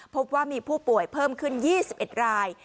พบว่ามีผู้ป่วยเพิ่มขึ้น๒๑ราย